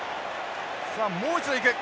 さあもう一度行く。